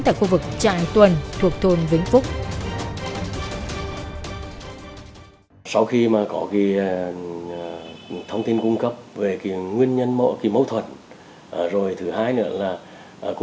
tại khu vực trại tuần thuộc thôn vĩnh phúc